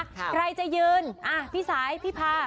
ใครจะยืนพี่สายพี่พา